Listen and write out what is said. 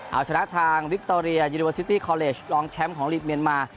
เอาชนะทางวิคโตเรียยูโรซิตี้คอเลชรองแชมป์ของลีกเมียนมา